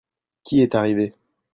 Qui est arrivé ?